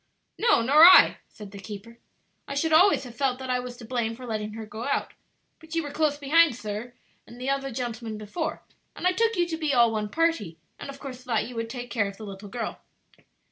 "No, nor I," said the keeper. "I should always have felt that I was to blame for letting her go out; but you were close behind, sir, and the other gentleman before, and I took you to be all one party, and of course thought you would take care of the little girl."